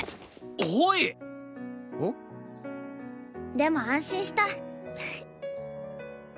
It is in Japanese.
でも安心した。